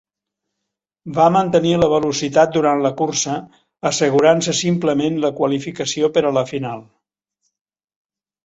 Va mantenir la velocitat durant la cursa, assegurant-se simplement la qualificació per a la final.